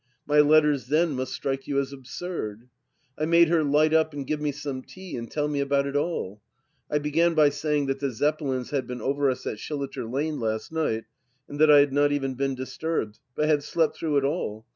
My letters then must strike you as absurd. I made her light up and give me some tea and tell me about it all. I began by saying that the Zeppelins had been over us at Shilliter Lane last night, and that I had not even been disturbed, but had slept through it all.